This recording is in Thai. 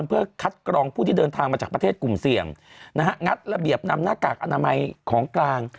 เกี่ยวเหลี่ยงนะฮะงัดระเบียบนำหน้ากากอนามัยของกลาง